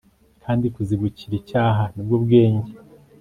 kandi kuzibukira icyaha, ni bwo bwenge